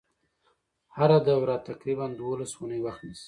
هره دوره تقریبا دولس اونۍ وخت نیسي.